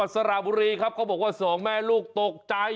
สระบุรีครับเขาบอกว่าสองแม่ลูกตกใจ